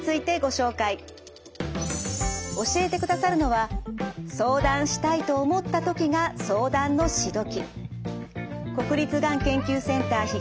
教えてくださるのは相談したいと思った時が相談のし時。